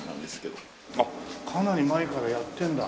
あっかなり前からやってるんだ。